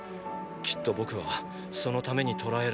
きっと僕はそのために捕らえられた。